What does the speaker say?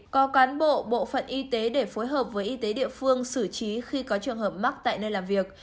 có cán bộ bộ phận y tế để phối hợp với y tế địa phương xử trí khi có trường hợp mắc tại nơi làm việc